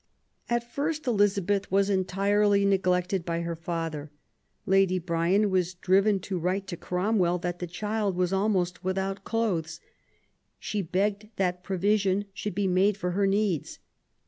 At first, Elizabeth was entirely neglected by her father. Lady Bryan was driven to write to Cromwell that the child was almost without clothes; she begged that provision should be made for her needs.